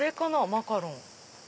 マカロン。